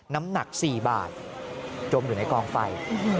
น้ำหนัก๔บาทจมอยู่ในกองไฟ